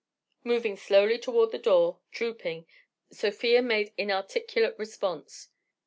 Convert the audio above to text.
Moving slowly toward the door, drooping, Sofia made inarticulate response.